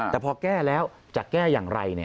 แต่พอแก้แล้วจะแก้อย่างไร